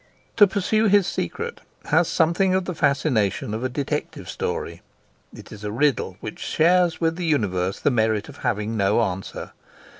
To pursue his secret has something of the fascination of a detective story. It is a riddle which shares with the universe the merit of having no answer.